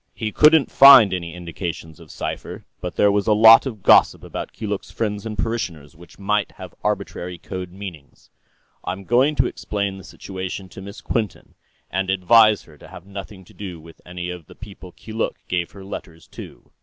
He couldn't find any indications of cipher, but there was a lot of gossip about Keeluk's friends and parishioners which might have arbitrary code meanings. I'm going to explain the situation to Miss Quinton, and advise her to have nothing to do with any of the people Keeluk gave her letters to."